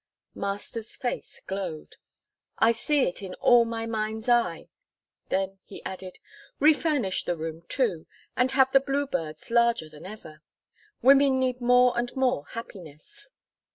Master's face glowed. "I see it all in my mind's eye." Then he added, "Refurnish the room too, and have the bluebirds larger than ever. Women need more and more happiness."